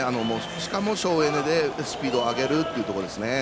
しかも省エネでスピードを上げるというところですね。